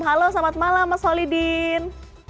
halo selamat malam mas holy dean